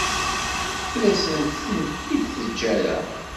Ur asen-tent-id-teǧǧa ara.